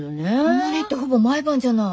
たまにってほぼ毎晩じゃない。